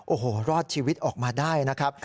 โอ้โหรอดชีวิตออกมาได้นะครับ